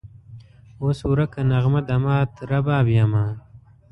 اوس ورکه نغمه د مات رباب یمه